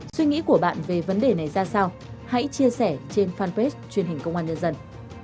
suy nghĩ của bạn về vấn đề này ra sao hãy chia sẻ trên fanpage truyền hình công an nhân dân